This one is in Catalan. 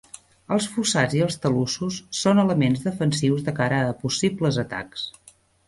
Els fossats i els talussos són elements defensius de cara a possibles atacs.